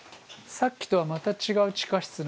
さっきとはまた違う地下室なんですけど。